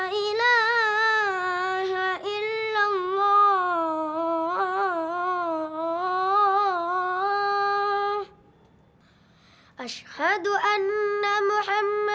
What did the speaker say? ya allah aku berdoa kepada tuhan